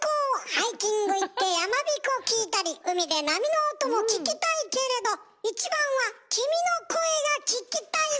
ハイキング行ってやまびこ聴いたり海で波の音も聴きたいけれどいちばんは君の声が聴きたいスペシャル」！